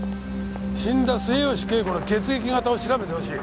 死んだ末吉恵子の血液型を調べてほしい。